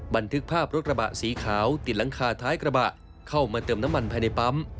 บันทึกภาพรถกระบะสีขาวติดหลังคาท้ายกระบะเข้ามาเติมน้ำมันภายในปั๊ม